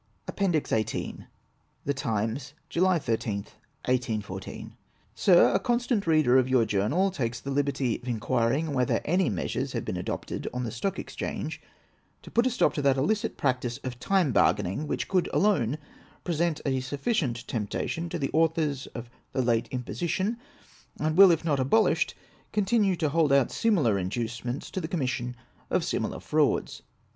APPENDIX XVIIL [77te Times, July 13th, 1814.] Sir, — A constant reader of your journal takes the liberty of inquiring whether any measures have been adopted on the Stock Exchange to put a stop to that illicit practice of time ])argaining, which could alone present a sufficient temptation to the authors of the late imposition, and will, if not abo lished, continue to hold out similar inducements to the com mission of similar frauds.